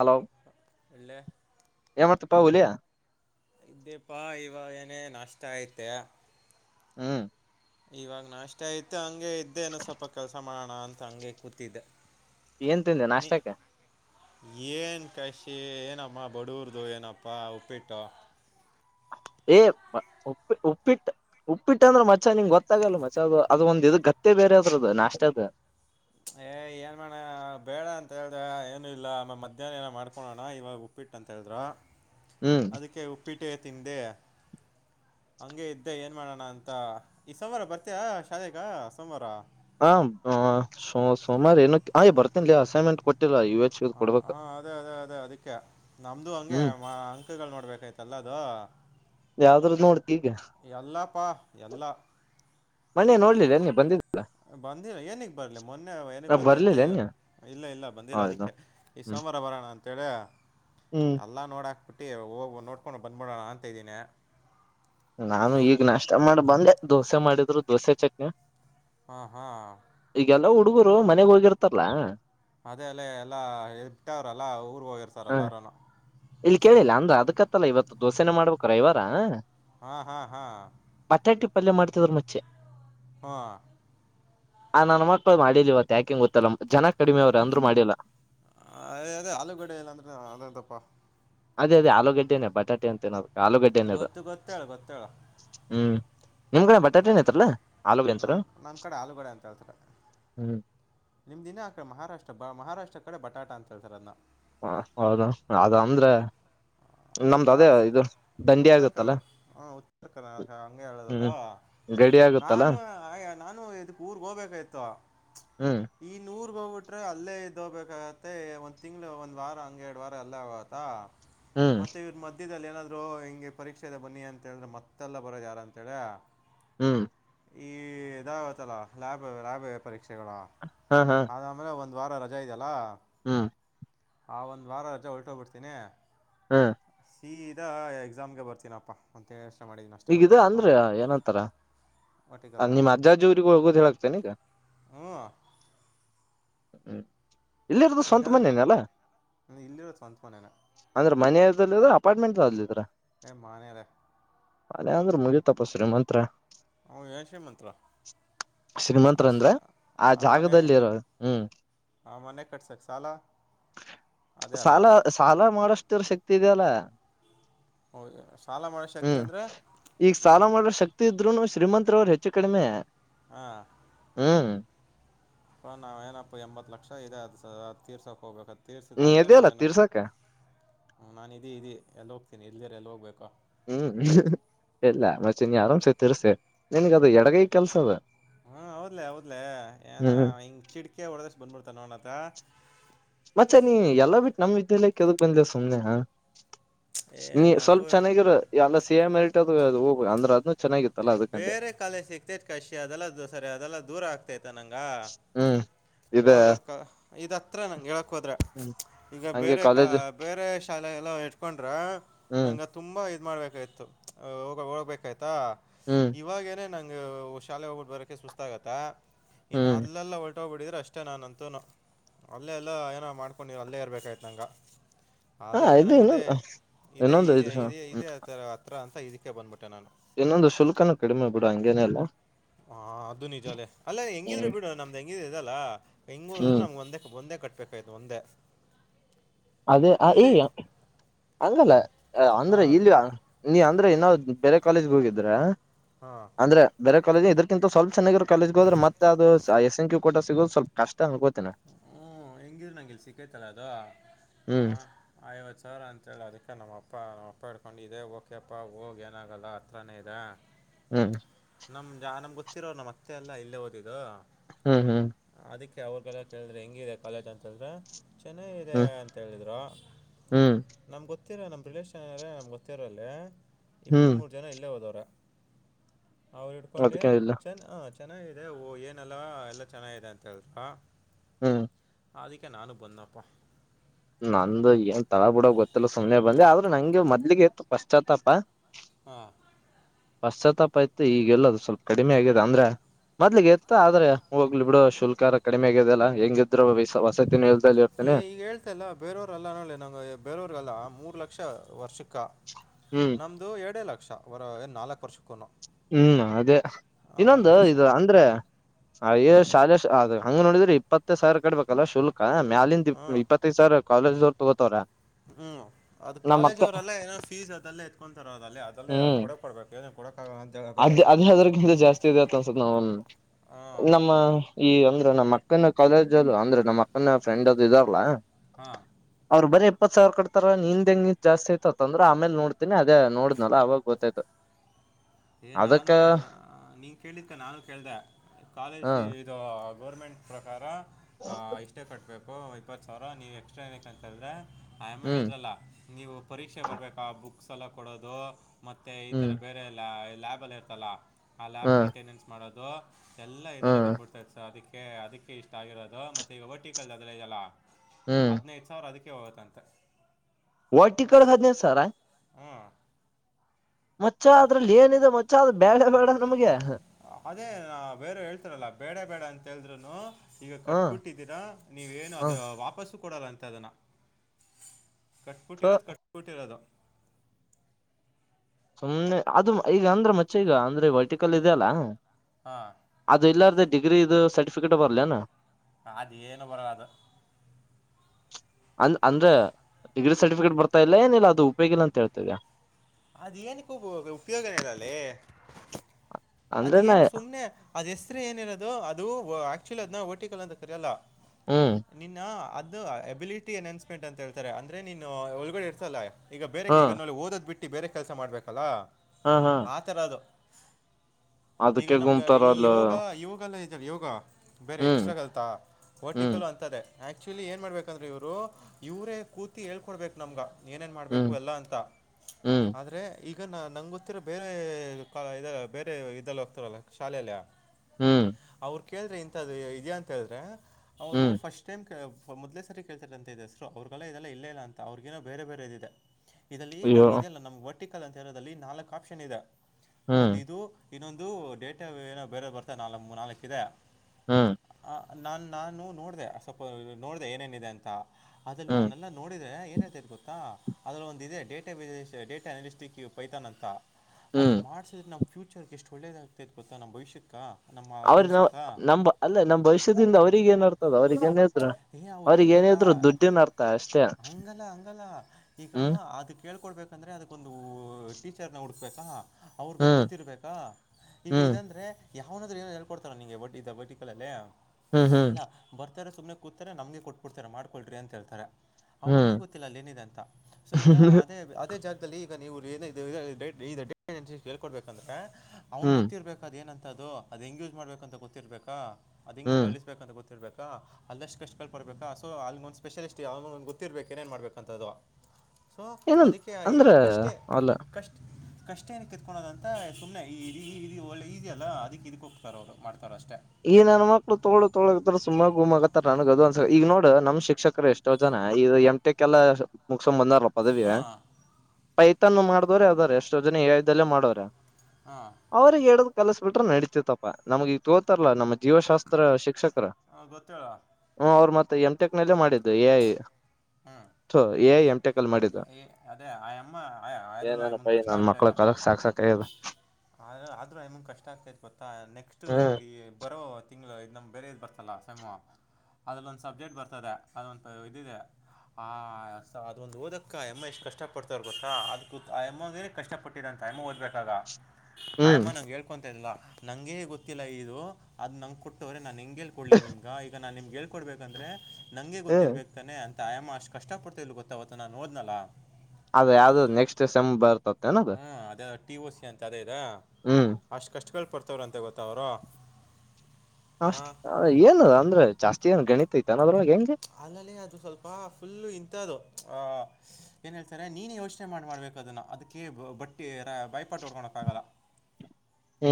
Hello ಒಳ್ಳೆ ಏ ಮಾಡತಪ್ಪ ಲಿಯಾ ಇದ್ದ್ಯಪ್ಪಾ ಇವಾಗ ಏನೇ ನಷ್ಟ ಐತೆ ಹ್ಮ್ ಇವಾಗ ನಾ ಅಷ್ಟ ಆಯ್ತ ಹಂಗೆ ಇದ್ದೇನ ಸ್ವಲ್ಪ ಕೆಲಸ ಮಾಡೋಣ ಅಂತ ಹಂಗೆ ಕೂತಿದ್ದೆ ಏನ್ ತಿದೆ ನಾಷ್ಟಕ್ಕೆ ಏನ್ ಕಷಿ ಏನಮ್ಮ ಬಡರ್ದು ಏನಪ್ಪಾ ಉಪ್ಪಿಟ್ಟು ಏ [inaudible] ಉಪ್ಪಿ ಉಪ್ಪಿಟ್ಟ ಉಪ್ಪಿಟ್ಟ ಅಂದ್ರೆ ಮಚ್ಚ ನಿಂಗ ಗೊತ್ತಾಗಲ್ಲ ಮಚ್ಚ ಅದು ಅದ ಒಂದ್ ಇದು ಗತ್ತೆ ಬೇರೆ ಅದ್ರದದು ನಾಷ್ಟ ಅದ ಏ ಏನ್ ಮಾಡಣ್ಣ ಬೇಡ ಅಂತ ಹೇಳ್ದ ಏನು ಇಲ್ಲ ಆಮ ಮಧ್ಯಾಹ್ನ ಏನ ಮಾಡ್ಕೊಳೋಣ ಇವಾಗ ಉಪ್ಪಿಟ್ಟ ಉಪ್ಪಿಟ್ಟ ಅಂತ ಹೇಳಿದ್ರು ಹ್ಮ್ ಅದಕ್ಕೆ ಉಪ್ಪಿಟೆ ತಿಂದೇ ಹಂಗೆ ಇದ್ದೆ ಏನ್ ಮಾಡೋಣ ಅಂತ ಈ ಸೋಮವಾರ ಬರ್ತಯ ಶಾಲೆಗ ಸೋಮವಾರ ಹ ಸೋಮಾರ ಆಯ ಬರ್ತನ್ಲಿ ಅಸೈನ್ಮೆಂಟ್ ಕೊಟ್ಟ ಚ್ಚಗ ಕೊಡ್ಬೇಕಾ ಅದ ಅದಕ್ಕೆ ನಮ್ದು ಹಂಗೆ ಅಂಕಗಳು ಮಾಡ್ಬೇಕಾಯ್ತಲ್ಲ ಅದು ಯಾವ್ದ್ರ ನೋಡ್ತಿ ಈಗ ಎಲ್ಲಪ್ಪ ಎಲ್ಲ [inaudible] ಮಣೆ ನೋಡ್ಲಿದೆ ಅಲ್ಲಿ ಬಂದಿದ್ದು ಬಂದಿಲ್ಲ ಏನಿಗೆ ಬರ್ಲಿ ಮೊನ್ನೆ ಏನಿಗೆ ಬಂದಿ ಅಂತ ಬರ್ಲಿಲ್ಲ ನೀ ಇಲ್ಲ ಇಲ್ಲ ಬಂದಿಲ್ಲ ಹೌದು ಅದಕ್ಕೆ ಈ ಹ್ಮ್ ಸೋಮವಾರ ಬರೋಣ ಅಂತೇಳಿ ಹ್ಮ್ ಎಲ್ಲಾ ನೋಡಾಕ್ಬಿಟ್ಟು ಟ್ಟ ಹೋಗ ನೋಡ್ಕೊಂಡು ಬಂದ್ಬೋಡೋಣ ಅಂತ ಇದ್ದೀನಿ ನಾನು ಈಗ್ ನಷ್ಟ ಮಾಡ ಬಂದೆ ದೋಸೆ ಮಾಡಿದ್ರು ದೋಸೆ ಚಟ್ನಿ ಹ್ಮ ಹಾ ಈಗೆಲ್ಲಾ ಹುಡುಗರು ಮನೆಗ್ ಹೋಗಿರ್ತಾರಲ್ಲಾ ಅದೇ ಅಲ್ಲೇ ಎಲ್ಲಾ ಇ ಬಿಟ್ಟವ್ರ ಎಲ್ಲಾ ಊರ್ ಹೋಗಿರ್ತಾರ ಎಲ್ಲಾರನು ಇಲ್ ಕೇಳಿಲ್ಲ ಅಂದ ಅದಕತ್ತಲ್ಲ ಇವತ್ತು ದೋಸೆನ ಮಾಡ್ಬೇಕ್ರ ಇವಾರಾ ಹಾ ಹಾ ಹಾ ಪಲ್ಲೆ ಮಾಡ್ತವರು ಮಚ್ಚೆ ಹಾ ಆ ನನ್ ಮಕ್ಳ ಮಾಡಿಲ್ಲವ ತ್ಯಕಿಂಗ್ ಗೊತ್ತಲ್ಲ ಜನ ಕಡಿಮೆ ಅವ್ರ ಅಂದ್ರು ಮಾಡಿಲ್ಲ ಹ ಅದೇ ಅದೇ ಆಲೂಗಡೆ ಇಲ್ಲಾಂದ್ರೆ ಅದ ತಪ್ಪ ಅದೇ ಅದೇ ಆಲೂಗಡ್ಡೆನೇ ಪೋ ಟಾಟೆ ಅಂತ ಏನದ ಆಲೂಗಡ್ಡೆನ ಅದು ಗೊತ್ತು ಗೊತ್ತೇಳು ಗೊತ್ತೇಳು ಹ್ಮ್ ನಿಮ್ಡೆ ಬಟಾಟೆ ನ ಏನತಾರಲ್ಲ ಆಲೂಗ ಎಂತಾರ ನಮ್ಮ ನಮ್ಮ ಕಡೆ ಹ್ಮ್ ನಿಮ್ದ ದಿನ ಆ ಕಡೆ ಮಹಾರಾಷ್ಟ್ರ ಬ ಮಹಾರಾಷ್ಟ್ರ ಕಡೆ ಬಟಾಟ ಅಂತೇಳ್ಸರ್ ಅದನ್ನ ಹ ಹೌದು ಅದು ಅಂದ್ರೆ ನಮ್ದು ಅದೇ ಇದು ದಂಡಿ ಉತ್ತರ ಆಗುತ್ತಲ್ಲ ಕನ್ನ ಹ ಉತ್ತರ ಕನ್ನಡ ಹಂಗೆ ಹೇಳದದ ಹ್ಮ್ ಗಡಿ ಆಗುತ್ತಲ್ಲ ನಾನುಯ ನಾನು ಇದಕ್ ಊರ್ಗ್ ಹೋಗ್ಬೇಕಾಯ್ತ ಹ್ಮ್ ಈ ನೂರು ಗ್ ಹೋಗ್ಬಿಟ್ರೆ ಅಲ್ಲೇ ಇದೋಗ್ಬೇಕಾಗತ್ತೆ ಒಂದ್ ತಿಂಗ್ಳ ಒಂದ್ ವಾರ ಹಂಗ್ ಎರಡ್ ವಾರ ಅಲ್ಲೇ ಆಗತ್ತ ಹ್ಮ್ ಮತ್ತೆ ಇವ್ರ ಮಧ್ಯದಲ್ಲಿ ಏನಾದ್ರು ಹಿಂಗೆ ಪರೀಕ್ಷೆದೆ ಬನ್ನಿ ಅಂತೇಳಿದ್ರೆ ಮತ್ತೆಲ್ಲ ಬರೋದು ಯಾರ ಅಂತೇಳ ಹ್ಮ್ ಈ ಇದಾಗತ್ತಲ್ಲ ಲ್ಯಾಬ್ ಲ್ಯಾಬ್ ಪರೀಕ್ಷೆಗಳ ಹಾ ಆದಮ್ರಲೆ ಒಂದು ಒಂದ್ ವಾರ ರ ರಜಾ ಇದೆಯಲ್ಲಾ ಹಾ ಆ ಒಂದ್ ವಾರ ರಜಾ ಹೊಳ್ಟೋಗ್ಬಿಡ್ತೀನಿ ಹಾ ಸಿದ ಎಕ್ಸಾಮ್ಗೆ ಬರ್ತೀನಪ್ಪ ಮತ್ತ ಈಗಿದೆ ಅಂದ್ರ ಏನಂತಾರ ಒಟ್ಟಿಗಲ್ಲ ನಿಮ್ ಅಜ್ಜ ಅಜ್ಜಿ ಊರಿಗ ಹೋಗೋದು ಹೇಳಕ್ತೇನೆ ಈಗ ಹ್ಞೂ ಹ್ಮ್ ಇಲ್ಲಿರದು ಸ್ವಂತ ಏನಲ್ಲ ಮನೇನ ಅಲ್ಲ ಇಲ್ಲಿರೋ ಸ್ವಂತ ಮನೇನೆ ಅಂದ್ರೆ ಮನೆಯ ಅಪಾರ್ಟ್ಮೆಂಟ ಅಲ್ಲಿದ್ರ ಏ ಮಾನಲ್ಲ ಮನೆ ಅಂದ್ರೆ ಮುಗ ತಪಸ್ರೀ ಮಂತ್ರ ಹ ಏನ್ ಶ್ರೀಮಂತರು ಶ್ರೀಮಂತರ ಅಂದ್ರೆ ಆ ಜಾಗದಲ್ಲಿ ಇರೋ ಹ್ಮ್ ಹ ಮನೆ ಕಟ್ಸಕ್ ಸಾಲ ಅದ್ಯಾರ ಸಾಲ ಸಾಲ ಮಾಡಷ್ಟರ ಶಕ್ತಿ ಇದೆಯಲ್ಲ ಹಓ ಸಾಲ ಮಾಡೋ ಶಕ್ತಿ ಅಂದರೆೆ ಹತಿದ್ರುನು ಶ್ರೀಮಂತ್ರವ್ರು ಹೆಚ್ಚು ಕಡಿಮೆ ಹ್ಮ್ ಹ ನಾವ್ ಏನಪ್ಪ ಎಂಬತ ಲಕ್ಷ ಇದೆ ಅದ್ ತೀರ್ಸೋಕ್ ಹೋಗಬೇಕತ್ ನೀ ಇದಲ್ಲ ತೀರ್ಸಾಕ ಹ್ಮ್ ನಾನ್ ಇದೀ ಇದಿ ಎಲ್ಲಿ ಹೋಗ್ತೀನಿ ಇಲ್ದೇರ ಎಲ್ಲಿ ಹೋಗ್ಬೇಕಾ ಹ್ಮ್ ಎಲ್ಲ ಮಚಿ ನಿ ಆರಾಮ್ಸ ತರ್ಸ ನನ್ಗ ಅದು ಎಡಗೈ ಕೆಲ್ಸ ಅದ ಹ್ಮ್ ಹೌದ್ಲೇ ಹೌದ್ಲಲೆ ಏನ ಹ್ಮ್ ಹಿಂಗ ಚಿಟಕೆ ಹೊಡದಷ್ಟ ಬಂದ್ಬಿಡ್ತ ನೋಣತ್ತ ಮಚೆ ನೀ ಎಲ್ಲ ಬಿಟ್ಟು ನಮ್ ವಿದ್ಯಾಲಯಕ್ಕೆ ಎದಗ್ಕ್ ಬಂದೆ ಸುಮ್ನೆ ಏ ನೀ ಸ್ವಲ್ಪ ನನಗೂ ಚೆನ್ನಾಗಿರ ಎಲ್ಲ ಸಿ ಎ ಮಟ್ದು ಹೋಗ ಅಂದ್ರೆ ಅದ ಬೇರೆ ಕಾಲೇಜ ಸಿಗ್ತೇ ಕಷಿ ಅದೆಲ್ಲ ದಸರಿ ಅದೆಲ್ಲ ದೂರ ಆಗ್ತೈತ ನಂಗ ಹ್ಮ್ ಇದ ಹೋಗಕ್ಕ ಇದ ಹತ್ರ ನಂಗೆ ಹೇಳಕ್ ಹೋದ್ರೆ ಈಗ ಹಂಗೆ ಬೇರೆ ಕ ಕಾಲೇಜ್ ಬೇರೆ ಶಾಲೆಲ್ಲ ಇಟ್ಕೊಂಡ ಅ್ರ ಹ್ಮ್ ನಂಗ ತುಂಬಾ ಇದ್ ಮಾಡ್ಬೇಕಾಯ್ತು ಹೋಗ್ಬೇಕಾಯ್ತಾ ಹ್ಮ್ ಇವಾಗ ಏನೆ ನಂಗ ಶಾಲೆ ಹೋಗ್ಬಿಟ್ಟು ಬರಕ್ಕೆೆ ಸುಸ್ತ ಆಗತ್ತ ಇನ್ ಹ್ಮ್ ಅಲ್ಲೆಲ್ಲ ಹೊ ವಂಟ್ ಬಿಡಿದ್ರೆ ಅಷ್ಟೇ ನಾನುಂತೂ ಅಲ್ಲೇ ಎಲ್ಲ ಏನೋ ಮಾಡ್ಕೊಂಡರು ಅಲ್ಲೇ ಇರಬೇಕಾಯ್ತ ನಂಗೆ ಹಾ ಅದಕ್ಕೆ ಇದು ನಂಗೆ ಇದೇ ಇದೇ ಇನ್ನೊಂದು ಈಜಿ ಇದು ಇದ ಇದದೆ ಹತ್ರ ಅಂತ ಈಕ್ಕೆ ಬಂದ್ಬಿಟ್ಟೆ ನಾನ ಇನ್ನೊಂದು ಶುಲ್ಕನುೂ ಕಡಿಮೆ ಬಿಡ ಹಂಗೇನಲ್ಲ ಹ ಅದು ನಿಜ ಅಲ್ಲೆ ಅಲ್ಲ ಹ್ಮ್ ಹೆಂಗಿದ್ರೆ ಬಿಡು ನಮ್ದ್ ಹೆಂಗಿದ್ ಇದಲ್ಲಾ ಹೆಂಗ ಹೋದ್ರರು ಹ್ಮ್ ನಮ್ಗೆ ಒಂದೇ ಒಂದೇ ಕಟ್ಟ ಬೇಕಾಯತು ಒಂದೇ ಅದೇ ಅ ಈ ಇಲ್ಲಿ ಹಂಗಲ್ಲ ಹಾ ಅಂದ್ರೆ ಇಲ್ಲಿ ನೀ ಅಂದ್ರೆ ಇನ್ನಾವ್ ಬೇರೆ ಕಾಲೇಜ್ ಹೋಗಿದ್ರ ಹಾ ಅಂದ್ರೆ ಬರೆ ಕಾಲೇ ಇದಕ್ಕಿ ಸ್ಲ್ ಚೆನ್ನಾಗಿರ ಕಾಲೇಜಗೋದ್ರ ಮತ್ತೆ ಅ ಎಸ್ ಎನ್ ಕೂಟ ಸಿಗೋದು ಸ್ವಲ್ ಕಷ್ಟ ಅನ್ಕೋತಿನನೆ ಹ್ಮ್ ಹೆಂಗಿದ ನಂಗೆ ಇಲ್ಲಿ ಸಿಕೈತಲ್ಲ ಅದು ಅದು ಹ್ಮ್ ಐವತ್ತು ಸಾವಿರ ಅಂತೇಳಿ ಅದಕ್ಕೆ ನಮ್ಮ ಅಪ್ಪ ಡ್ಕೊಂಡಿದ್ದ ಓಕೆಪ್ಪಾ ಹೋಗ ಏನಾಗಲ್ಲ ಹತ್ರಾನೇ ಇದೆ ಹ್ಮ್ ನಮ್ಮ ಜಾ ನಮ್ಗೆ ಗೊತ್ತಿರೋರು ನಮ್ಮ ಮತ್ತೆ ಎಲ್ಲ ಇಲ್ಲೇ ಓದಿದ್ದು ಹ್ಮ್ ಹ್ಮ್ ಅದಕ್ಕೆ ಅವ್ರಿಗೆಲ್ಲ ಕೇಳಿದ್ರೆ ಹೆಂಗಿದೆ ಕಾಲೇಜ್ ಅಂತ ಹೇಳಿದ್ರೆ ಚೆನ್ನಾಗಿದೆ ಹ್ಮ್ ಅಂತೇಳಿದ್ರು ಹ್ಮ್ ನಮ್ ಗೊತ್ತ ಗೊತ್ತಿರಾ ನಮ್ ರಿಲೇೇಶನ್ ನಮ್ ಗೊತ್ತಿರ ಅಲ್ಲಿ ಇಬ್ಬರು ಹ್ಮ್ ಮೂರ್ ಜನ ಇಲ್ಲೇ ಹೋದವ್ರ ಅವರು ಇಡ್ಕೊಂಡಿ ಅದಕ್ಕೆ ಇಲ್ಲ ಚಂದ ಹ ಚೆನ್ನಾಗಿದೆ ಏನಲ್ಲ ಎಲ್ಲ ಚೆನ್ನಾಗಿದೆ ಅಂತ ಹೇಳ್ರ ಹ್ಮ್ ಅದಕ್ಕೆ ನಾನು ಬಂದಪ್ಪ ನಂದು ಏನ್ ತಳ ಬಿಡೋ ಗೊತ್ತಿಲ್ಲ ಸುಮ್ನೆ ಬಂದಿ ಆದ್ರೂ ನಂಗೆ ಮೊದ್ಲಿಗೆ ಇತ್ತು ಪಸ್ಟ್ ಆತ್ತಪ್ಪ ಹಾ ಪಶ್ಚಾತ್ತಾಪ ಆ ಇತ್ತು ಈಗೆಲ್ಲದು ಸ್ವಲ್ಪ ಕಡಿಮೆ ಆಗಿದೆ ಅಂದ್ರೆ ಮೊದ್ಗೆ ಎತ್ತ ಆದ್ರೆ ಹೋಗ್ಲಿ ಬಿಡು ಶುಲ್ಕ ಕಡಿಮೆ ಆಗಿದಲ್ಲ ಹೆಂಗಿದ್ರರು ವಸತಿನ ಇರ್ತೇನೆ ಲ್ಲ ಬೇರೆಯವರು ಅಲ್ಲ ನೋ ನಂಗ ಬೇರೆಯವರ್ಗೆಲ್ಲ ಮೂರ್ ಲಕ್ಷ ವರ್ಷಕ್ಕೆ ಹ್ಮ್ ನಮ್ದು ಎರಡೇ ಲಕ್ಷ ವರ ಏ ನಾಲ್ಕು ವರ್ಷಕ್ಕೂ ಹ್ಮ್ ಅದೇ ಇನ್ನೊಂದು ಹಂಗೆ ಯೋಚನೆ ಇದು ಅಂದ್ರೆ ಅ ಹಾಂ ಶಾಲೆ ಆದ್ರ ಹಂಗ ನೋಡಿದ್ರಿ ಇಪ್ಪತ್ತ ಸಾವಿರ ಕಡಬೇಕಲ್ಲ ಶುಲ್ಕ ಮ್ಯಾಲಿಂದ ಇ ಇಪ್ಪತ್ತೈದು ಸಾವಿರ ಕಾಲೇಜ್ ದವರು ತಗೋತವ್ರ ಹ್ಮ್ ಅದು ನಮ್ಮ್ ಕಾಲೇಜ್ ಅಕ್ಕ ಅವರೆಲ್ಲ ಏನೋ ಫೀಸ್ ಅದೆಲ್ಲ ಎತ್ಕೊಂತಾರ ಅದಲ್ಲಿ ಅದದೆಲ್ಲೇ ಕೊಡ ಕೊಡ್ಬೇಕು ಏ ಅದ ಅದೇ ಅದ್ರಕ್ಕಿಂತ ಜಾಸ್ತಿ ಇದೆ ಅತ್ ಅನ್ಸತ್ ನಾ ಹಾಂ ನಮ್ಮ ಈ ಅಂದ್ರೆ ನಮ್ಮ ಮ ಅಕ್ಕನ ಕಾಲೇಜ ಅಲ್ಲ ಅಂದ್ರೆ ನಮ್ಮ ಅಕ್ಕನ ಫ್ರೆಂಡ್ ಅದು ಇದಾರಲ್ಲಾ ಹಾ ಬರಿ ಇಪ್ಪತ್ ಸಾವಿರ ಕಟ್ತಾರ ನಿಂದ ಹೆಂಗ ನಿತ್ ಜಾಸ್ತಿ ಆಯತ ಅ್ರ ಆಮೇಲೆ ನೋಡ್ತಿನಿ ಅದೇ ನೋಡ್ನಲ್ಲ ಅವಾಗ ಗೊತ್ತಾಯ್ತು [inaudible] ಏ ನಾನು ಅದಕ್ಕ [unintelligible] ನೀನು ಕೇಳಿದ್ಕೆ ನಾನು ಕೇಳ್ದ ಹ ಕಾಲೇಜ್ ಇದು ಗೋರ್ಮೆಂಟ್ ಪ್ರಕಾರ ಇಷ್ಟೇ ಕಟ್ಟಬೇಕು ಇಪ್ಪತ್ತು ಸಾವಿರ ನೀವು ಎಕ್ಸ್ಟ್ರಾ ಏನಿಕನ್ನಂತಾದ್ರೆ ಆ ಯಮ್ಮ ಹ್ಮ್ ಹೇಳ್ದಲ್ಲ ನೀವು ಪರೀಕ್ಷೆ ಬರೀಬೇಕಾ ಬುಕ್ಸ್ ಎಲ್ಲ ಕೊಡೋದು ಮತ್ತೆ ಈ ಥರ ಹ್ಮ್ ಬೇರೆ ಎಲ್ಲ ಲ್ಯಾಬಲ್ಲಿ ಇರ್ತಲ್ಲ ಆ ಲ್ಯಾಬ್ ಹ್ಮ್ ಮೇಂಟೆನೆನ್ಸ್ ಮಾಡೋದು ಎಲ್ಲ ಇದೆಲ್ಲ ಹ್ಮ್ ಬಂದ್ಬಿಡ್ತೈದೆ ಸರ್ ಅದಕ್ಕೆ ಅದಕ್ಕೆ ಇಷ್ಟ ಆಗಿರೋದು ಮತ್ತೆ ಈಗ [unintelligible] ಅದಲ್ಲ ಹ್ಮ್ ಹದಿನೈದು ಸಾವಿರ ಅದಕ್ಕೆ ಹೋಗುತ್ತಂತೆ ಒಟಿ ಕಳೊದು ಹದಿನೈದು ಸಾವಿರ ಹ್ಞೂ ಮಚ್ಚ ಅದ್ರಲ್ಲಿ ಏನಿದೆ ಮುಚ್ಚೆ ಆದ್ರ ಬ್ಯಾಡ ಬೇಡ ನಮ್ಗೆ ಅದೇ ನ ಬೇರೆ ಹೇಳ್ತರಲ್ಲಾ ಬೇಡ ಬೇಡ ಅಂತ ಹೇಳಿದ್ರು ಈಗ ಹ್ಮ ಕಟ್ಬಿಟ್ಟಿದ್ದೀರಾ ನೀವೇನು ಹ್ಮ ಅದ ವಾಪಸ್ಸು ಕೊಡಲ್ಲ ಅಂತ ಅದನ್ನ ಸೊ ಕಟ್ಬಿಟ್ಟಿರೋದು ಕಟ್ಬಿಟ್ಟಿರೋದು ಸುಮ್ಮ್ನೆ ಅದು ಈಗ ಅಂದ್ರೆ ಮಚ್ಚೆ ಈಗ ಅಂದ್ರೆ ವರ್ಟಿಕಲ್ ಇದೆ ಅಲ್ಲ ಹಾಂ ಅದು ಇಲ್ಲಾರ್ದ ಡಿಗ್ರಿದು ಸರ್ಟಿಫಿಕೇಟ್ ಬರ್ಲೆನಾ ಅದ ಏನು ಬರಲ್ಲ ಅದು ಅಂದ ಅಂದ್ರೆ ಡಿಗ್ರಿ ಸರ್ಟಿಫಿಕೇಟ್ ಬರ್ತಾ ಇಲ್ಲ ಏನ ಇಲ್ಲ ಅದು ಉಪಯೋಗಿಲ್ಲ ಅಂತ ಹೇಳ್ತೀಯ ಅದ್ ಏನಕ್ಕೂಬ ಉಪಯೋಗನಲ್ಲಿ ಅಂದ್ರೆ ನ ಅದೇಏನು ಸುಮ್ಮ್ನೆ ಅದ ಹೆಸರು ಏನಿರೋದು ಅದು ಆಕ್ಚುಲಿ ಅದ್ನ ವರ್ಟಿಕಲ್ ಅಂತ ಕರಿಲ್ಲ ಹ್ಮ್ ನಿನ್ನ ಅದು ಎಬಿಲಿಟಿ ಎನೌನ್ಸ್ಮೆಂಟ್ ಅಂತ ಹೇಳ್ತಾರೆ ಅಂದ್ರೆ ನೀನು ಒಳಗಡೆ ಇರ್ತಲ್ಲ ಈಗ ಬೇರೆ ಹಾ ಈಗ ನಲ್ಲಿ ಓದೋದ್ ಬಿಟ್ಟು ಬೇರೆ ಕೆಲಸ ಮಾಡ್ಬೇಕಲ್ಲ ಹಾ ಹಾ ಆತರ ಅದು ಈಗ ಅದಕ್ಕೆ ನಮ್ಗ ಈ ಗುಮ್ತಾರಲ್ಲ ಯೋಗ ಯೋಗ ಎಲ್ಲ ಇದಿಯಲ್ಲ ಯೋಗ ಬೇರೆ ಹ್ಮ್ ಎಕ್ಸ್ಟ್ರಾಗಲತಾ ಹ್ಮ್ ವರ್ಟಿಕಲ್ ಅಂತದೆ ಆಕ್ಚುಲಿ ಏನ್ ಮಾಡ್ಬೇಕಂದ್ರೆ ಇವ್ರು ಇವ್ರೇ ಕೂತಿ ಹೇಳ್ಕೊಡ್ಬೇಕ ನಮ್ಗ ಏನೇನು ಮಾಡಬೇಕು ಹ್ಮ್ ಎಲ್ಲ ಅಂತ ಹ್ಮ್ ಆದರೆ ಈಗ ನ ನಂಗ್ ಗೊತ್ತಿರ ಬೇರೆ ಬೇರೆ ಇದಲ್ಲಿ ಹೋಗ್ತಾರಲ್ಲ ಶಾಲೆಲ್ಲ ಹ್ಮ್ ಅವರು ಕೇಳ್ರೆ ಇಂಥದ ಇದಿಯ ಅಂತ ಹೇಳಿದ್ರೆ ಅವರು ಹ್ಮ್ ಫಸ್ಟ್ ಟೈಮ್ ಮೊದಲೇ ಸರಿ ಕೇಳ್ತಾರೆ ಅಂತ ಇದ್ರೆಸ್ರೂ ಅವ್ರಿಗೆಲ್ಲದೆಲ್ಲ ಇಲ್ಲ ಇಲ್ಲ ಅ ಅವ್ರಿಗೇನೋ ಬೇರೆ ಬೇರೆ ಇದಿದೆ ಇದಲ್ಲಿ ಅಯ್ಯೋ ನಮ್ಗೆ ಇದೆಯಲ್ಲ ನಮ ವರ್ಟ್ಟಿಕಲ್ ಅಂತ ಇರೋದಲ್ಲಿ ನಾಲ್ಕ್ ಆಪ್ಷನ್ ಇದೆ ಹ್ಮ್ ಒಂದು ಇದು ಇನ್ನೊಂದು ಡೇಟಾ ಏನೋ ಬೇರೆ ಬರ್ತಾ ನಾಲ್ ನಾಲ್ಕಿದೆ ಹ್ಮ ನಾನು ನಾನು ನೋಡಿದೆ ಸ್ವಲ್ಪ ನೋಡಿದೆ ಏನೇನಿದೆ ಅಂತ ಅದನ್ನ ಹ್ಮ್ ನಾವೆಲ್ಲ ನೋಡಿದ್ರೆ ಏನ್ ಏನಿದೆ ಗೊತ್ತಾ ಅದ್ರಲ್ಲಿ ಒಂದ ಇದೆ ಡೇಟ [unintelligible] ಅನಾಲಿಸ್ಟಿಕ್ ಪೈತನ್ ಅಂತ ಅದು ಹ್ಮ್ ಮಾಡ್ಸಿದ್ರೆ ನಮ್ಮ್ ಫ್ಯೂಚರ್ ಫ್ಯೂಚರ್ ಗೆಷ್ಟು ಒಳ್ಳೇದಾಗ್ತೈ ಗೊತ್ತ ನಮ್ಮ ಭವಿಷ್ಯಕ್ಕೆ ನಮ್ಮ ಅವ್ರ ನ ಕೆಲ್ಸಕ್ಕೆ ನಮ್ಮ ಅಲ್ಲ ನಮ್ಮ್ ಭವಿಷ್ಯದಿಂದ ಅವ್ರಗ ಏನರ್ತದ ಅವ್ರಗೇನ್ [unintelligible] ಏ ಅವ್ರ ಏನ್ ಗೊತ್ತಾ ಅಷ್ಟೇ ಹಂಗಲ್ಲ ಹಂಗಲ್ಲ ಈಗ ಹ್ಮ್ ಅದು ಕೇಳ ಕೊಡ್ಬೇಕಂದ್ರೆ ಅದಕ್ಕೊಂದು ಟೀಚರ್ನ ಹುಡ್ಕ್ಬೇಕಾ ಅವ್ರಗ ಅದು ಹ್ಮ್ ಗೊತ್ತಿರ್ಬೇಕಾ ಈಗ ಹ್ಮ್ ಇದಂದರೆ ಯಾವನಾದ್ರೂ ಏ ಹೇಳ್ಕೊಡ್ತಾರ ನಿಂಗೆ ವರ್ಟಿಕಲ್ ಹ್ಮ್ ಹ್ಮ್ ನಲ್ಲಿ ಬರ್ತಾರೆ ಸುಮನೆ ಕೂತಾರೆ ನಮ್ಗೆ ಕೊಟ್ಬ ಬಿಡ್ತಾರೆ ಮಾಡ್ಕೊಳ್ರಿ ಅಂತ ಹೇತಾರೆ ಹ್ಮ್ ಅವ್ರಿಗೆ ಗೊತ್ತಿಲ್ಲ ಅಲ್ಲಿ ಏನಿದೆ ಅಂತ ಸೊ ಈಗ ಹ್ಮ್ ಅದೇ ಅದೇ ಜ ಈಗ ನೀ [unintelligible] ಹೇಳ್ಕೊಬೇಕಂದ್ರೆ ಅವ್ನಿಗ್ ಹ್ಮ್ ಗೊತ್ತಿರ್ಬೇಕು ಅದು ಏನ ಅದು ಅದು ಹೆಂಗ ಯೂಸ್ ಮಾಡ್ಬೇಕ ಅಂತ ಗೊತ್ತಿರ್ಬೇಕಾ ಅದು ಹಿಂಗ ಹ್ಮ್ ಬಳಸ್ಬೇಕಂತ ಗೊತ್ತಿರ್ಬೇಕಾ ಅಲ್ಲೆಸ್ಟ್ ಕಷ್ಟಗಳ್ ಪಡ್ಬೇಕ ಸೊ ಅಲ್ಲಿ ಒಂದ್ ಸ್ಪೆಷಲಿಸ್ಟ್ ಗೊತ್ತಿರ್ಬೇಕ ಏನೇನ್ ಮಾಡ್ಬೇಕ ಅಂತದು ಸೊ ಏನಂದ ಅದಕ್ಕೆ ಅಂದ್ರ ಕಷ್ಟೇ ಅಲ್ಲ ಕಷ್ಟ ಕಷ್ಟ ಏನ ಕಿತ್ಕೋದಂತ ಸುಮ್ಮ್ನೆ ಈ ಇ ಇ ಒಳ್ಳೆ ಈಸಿ ಅಲ್ಲ ಅದಕ್ಕೆ ಇದಕೊಗ್ತಾರೆ ಅವ್ರು ಮಾಡ್ತಾರೆ ಅಷ್ಟೇ ಈಗ ನನ್ ಮಕ್ಳು ತೊಳು ತೊಳ ಸುಮ್ಮ [unintelligible] ಗತ್ತಾರ ನನಗ ಅದು ಅನ್ಸ ಈಗ ನೋಡ್ ನಮ್ ಶಿಕ್ಷಕರು ಎಷ್ಟೋ ಜನ ಈಗ ಎಂ ಟೆಕ್ ಎಲ್ಲ ಮುಗಸೊಂಡ್ ಬಂದಾರ ಪದವಿ ಹಾಂ ಪೈತನ್ನು ಮಾಡ್ದವ್ರ ಅದಾರ ಎಷ್ಟೋ ಜನ ಹೇಳದಲ್ಲೇ ಮಾಡೋರ ಹಾಂ ಅವ್ರಿಗೆ ಹೇಳದ ಕಲಸ ಬಿಟ್ರ ನಡತೇತಪ್ಪ ನಮ್ಗ ಈಗ ತೋತಾರಲ್ಲ ನಮ್ಮ ಜೀವಶಾಸ್ತ್ರ ಶಿಕ್ಷಕರ ಗೊತ್ತೇಳ ಹು ಅವರು ಮತ್ತೆ ಎಂಟೆಕ್ ನಲ್ಲೇ ಮಾಡಿದ್ದು ಏ ಐ ಹು ಎ ಐ ಎಂ ಟೆಕ್ ಅಲ್ಲಿ ಮಾಡಿದ್ದು ಏ ಅದೇ ಆಯ ಎಮ್ಮಾ ಆದ್ರು ಆಮನ್ ಏನೇನಪ್ಪಾ ಕಷ್ಟ ನನ್ ಮಕ್ಳ ಆಗ್ತೈತಪ್ಪ [unintelligible] ಆದ್ರೂ ಅಮಂಗ ಕಷ್ಟ ಆಗ್ತೈತ್ ಗೊತ್ತಾ ನೆಕ್ಸ್ಟ್ ಹ್ಮ್ ಈ ರೋ ತಿಂಗಳು ಇದ ನಮ ಬೇರೆ ಇದು ಬರ್ತಲ್ಲ ಸೆಮು ಅದರಲ್ ಒಂದ್ ಸಬ್ಜೆಕ್ಟ್ ಬರ್ತದೆ ಅದೊಂತ ಇದ ಇದೆ ಹ ಅದೊಂದು ಓದಕ್ಕ ಅ ಎಮ್ಮಾ ಎಷ್ಟು ಕಷ್ಟ ಪಡ್ತಾರ್ ಗೊತ್ತಾ ಅ ಅಮ್ಮ ಕಷ್ಟ ಪಟ್ಟ ಅಂತ ಎಮ ಓದ್ಬೇಕಾಗ ಹ್ಮ್ ಆಮ್ಮ ನಂಗೆ ಹೇಳ್ಕೊಂತ ಇದ್ದಿಲ್ಲಾ ನಂಗೆ ಗೊತ್ತಿಲ್ಲ ಇದು ಅದ್ ನಂಗ್ ಕೊಟ್ಟವ್ರೆ ನಾನ್ ಹೆಂಗ ಹೇಳ್ಕಡ್ಲಿ ನಿಮ್ಗ ಈಗ ನಾ ನಿಮಗೆ ಹೇಳ್ಕೊಬೇಕಂದ್ರೆ ನಂಗೆ ಗೊತ್ತರ್ಬೇಕತಾನೆ ಅಂತ ತಾಯಾಮ ಅಷ್ಟ್ ಕಷ್ಟ ಪಡ್ತ ಇಲ್ ಗೊತ್ತ ಅವತ್ತ ನಾ ಹೋದ್ನಲಾ ಅದೇ ಯಾವ್ದದ ನೆಕ್ಸ್ಟ್ ಸೆಮ್ ಬರ್ತತಿ ಏನದ ಹ್ಞೂ ಅದೇ ಟಿ ಒ ಸಿ ಅಂತ ಅದೇ ಇದೆ ಅಷ್ಟು ಕಷ್ಟಗಳು ಪಡ್ತವ್ರ ಅಂತ ಗೊತ್ತ ಅವರು ಅಷ್ಟ ಏನ ಅಂದ್ರೆ ಜಾಸ್ತಿ ಏನ್ ಗಣಿತೈತಾನ ಅದ್ರಲಿಗೆ ಹೆಂಗ ಅಲ್ಲಲ್ಲಿ ಅದು ಸ್ವಲ್ಪ ಫುಲ್ಲು ಇಂಥದ್ದು ಆ ಏನ್ ಹೇಳ್ತಾರೆ ನೀನೇ ಯೋಚನೆ ಮಾಡ್ ಮಾಡ್ಬೇಕು ಅದನ್ನ ಅದಕ್ಕೆ ಬಟ್ಟಿ ಬಯಪಾಟ್ ಹೊಡ್ಕೋಣ ಆಗಲಾ ಹ್ಮ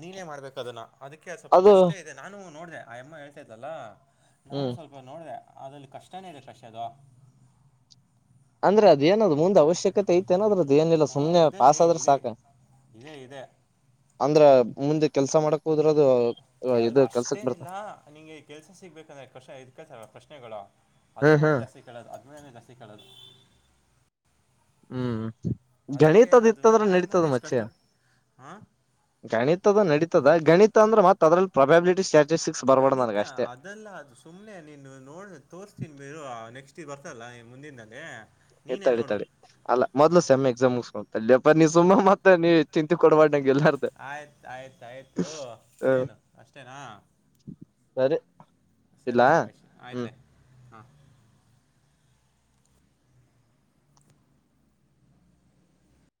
ನೀನೇ ಮಾಡ್ಬೇಕು ಅದನ್ನ ಅದಕ್ಕೆ ಅದು ಸ್ವಲ್ಪ ಕಷ್ಟ ಇದೆ ನಾನು ನೋಡಿದೆ ಆ ಎಮ್ಮಾ ಹೇಳ್ತಾದ್ದಲ್ಲ ನಾನು ಹ್ಮ್ ಸ್ವಲ್ಪ ನೋಡಿದೆ ಅದ್ರಲ್ಲಿ ಕಷ್ಟನೇ ಇದೆ ಆಕಾಶ್ ಅದು ಅಂದ್ರೆ ಅದೇನದ್ ಮುಂದ್ ಅವಶ್ಯಕತೆ ಇ ಐತೆೇನ ಅದ್ರದ ಏನಿಲ್ಲ ಹ್ಞೂ ಸುಮ್ನೆ ಇದೆ ಲೇ, ಪುಸ್ ಆದ್ರೆ ಇದೆ ಸಾಕ ಇದೆ ಇದೆ ಅಂದ್ರೆ ಮುಂದೆ ಕೆಲ್ಸ ಮಾಡಕ್ ಹೋದ್ರದು ಕೆಲ್ ಇದು ಕೆಲ್ಸಕ್ ಬರ್ತ ಅಷ್ಟೇನಿಲ್ಲ ನಿಂಗೆ ಕೆಲ್ಸ ಸಿಗ್ಬೇಕಂದ್ರೆ ಕಶ ಇಕತಾರ ಪ್ರಶ್ನೆಗಳು. ಹ್ಮ್ ಹದಿನೈದನೇ ಹ್ಮ್ ಜಾಸ್ತಿ ಕೆಳದು ಹದಿನೈದನೇ ಜಾಸ್ತಿ ಕೆಳದು ಹ್ಮ್ ಗಣೀತದ ಅದು ಇತ್ತಂದ್ರೆ ಆಯಮಾನ ನಡೀತದ ಎಷ್ಟು ಮಚಿ ಕಷ್ಟ ಹಾಂ ಗಣಿತದು ನಡೀತದ ಗಣಿತ ಅಂದ್ರೆ ಮತ್ತತ್ ಅದ್ರಲ್ಲಿ ಪ್ರಾಬೆಬಿಲಿಟಿ ಸ್ಟ ಗಣಿತ ಅದೆಲ್ಲ ಅದು ಸುಮ್ನೆ ನೀನು ನೋಡ್ ತೋರ್ಸ್ತೀನ್ ಇರು ನೆಕ್ಸ್ಟ್ ಬರ್ತಲ್ಲ ಮುಂದಿನಲ್ಲಿ ನೀನೇ ತಡಿ ನೋಡು ತಡಿ ಅಲ್ಲ ಮೊದ್ಲು ಹಾಂ ಸಮ್ ಎಕ್ಸಾಮ್ ಮುಗಸ್ಕೊಪ್ಪ ನೀವು ಸುಮ್ಮ ಮತ್ತೆ ನೀವು ಚಿಂತಿ ಕೊಡಬ್ಯಾಡ ಆಯ್ತು ಆಯ್ತಾಯಯ್ತು ಹ ಇನ್ನೇನು ಅಷ್ಟೇನಾ ಸರಿ ಸರಿ ಇಲ್ಲಾ ಇಲ್ಲ ಆಕಾಶ ಹ್ಮ್ ಆಯ್ತಲ್ಲೆ ಹಾ